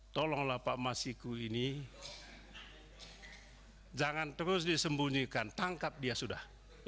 tolonglah pak masiku ini jangan terus disembunyikan tangkap dia sudah